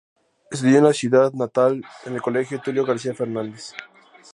Estudió en su ciudad natal en el colegio Tulio García Fernández.